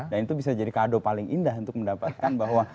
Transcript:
dan itu bisa jadi kado paling indah untuk mendapatkan bahwa